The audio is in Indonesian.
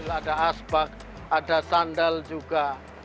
ada aspak ada sandal juga